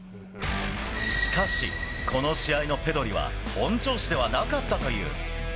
しかし、この試合のペドリは本調子ではなかったという。